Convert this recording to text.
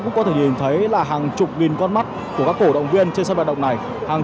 cũng có thể nhìn thấy là hàng chục nghìn con mắt của các cổ động viên trên sân vận động này hàng